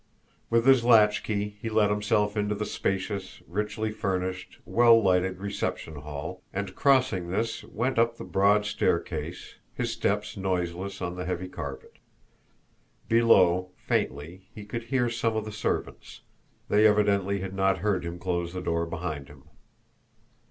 With his latchkey he let himself into the spacious, richly furnished, well lighted reception hall, and, crossing this, went up the broad staircase, his steps noiseless on the heavy carpet. Below, faintly, he could hear some of the servants they evidently had not heard him close the door behind him.